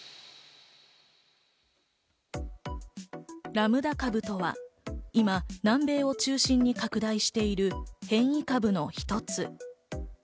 ラムダ株とは今、南米を中心に拡大している変異株の一つ。